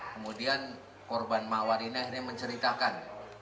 kemudian korban mawar ini akhirnya menceritakan